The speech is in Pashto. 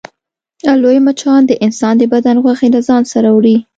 لوی مچان د انسان د بدن غوښې له ځان سره وړي